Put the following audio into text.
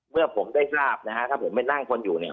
เมื่อผมได้ทราบนะฮะถ้าผมไปนั่งคนอยู่เนี่ย